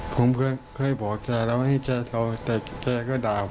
ผมค่อยบอกแกแล้วให้แจรอแกก็ด่าผม